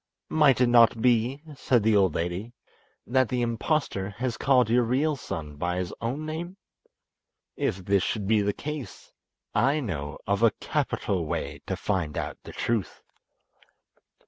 "Might it not be," said the old lady, "that the impostor has called your real son by his own name? If this should be the case, I know of a capital way to find out the truth."